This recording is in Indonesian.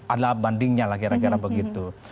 adalah bandingnya lah kira kira begitu